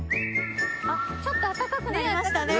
ちょっと暖かくなりましたね。